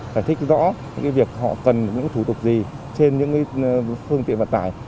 giải thích rõ những việc họ cần những thủ tục gì trên những phương tiện vận tải